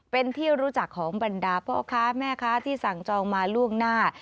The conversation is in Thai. เป็นที่รู้จักของบรรดาพ่อค้าแม่ค้าที่สั่งจองมาล่วงหน้า